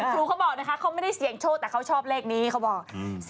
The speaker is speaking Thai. ครูเขาบอกนะคะเขาไม่ได้เสี่ยงโชคแต่เขาชอบเลขนี้เขาบอก